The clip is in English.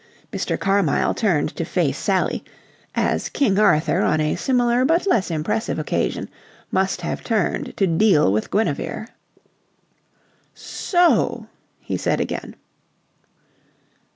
Mr. Carmyle turned to face Sally, as King Arthur on a similar but less impressive occasion must have turned to deal with Guinevere. "So..." he said again.